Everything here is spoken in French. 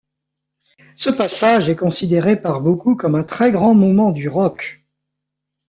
Ce passage est considéré par beaucoup comme un très grand moment du rock.